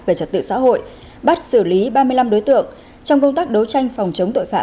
về trật tự xã hội bắt xử lý ba mươi năm đối tượng trong công tác đấu tranh phòng chống tội phạm